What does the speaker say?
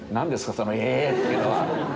その「えっ」っていうのは。